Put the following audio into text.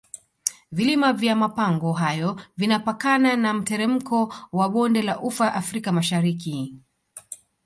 vilima vya mapango hayo vinapakana na mteremko wa bonde la ufa africa mashariki